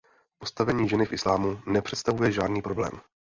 Postavení ženy v islámu nepředstavuje žádný problém.